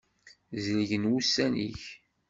Zelgen wussan-ik.